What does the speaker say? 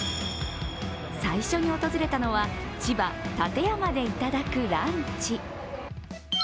最初に訪れたのは千葉・館山でいただくランチ。